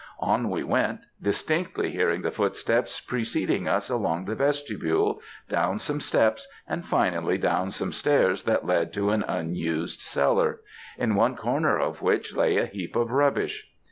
On we went, distinctly hearing the footsteps preceding us along the vestibule, down some steps, and, finally, down some stairs that led to an unused cellar in one corner of which lay a heap of rubbish.